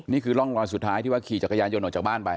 นี่คือร่องรอยสุดท้ายที่ว่าขี่จักรยานยนต์ออกจากบ้านไป